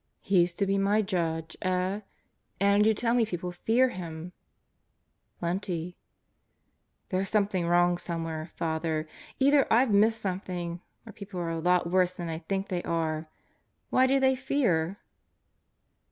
He's to be my Judge, eh? And you tell me people fear Him. ..." "Plenty." "Something's wrong somewhere, Father. Either I've missed something or people are a lot worse than I think they are. Why do they fear?"